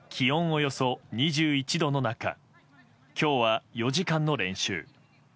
およそ２１度の中今日は４時間の練習。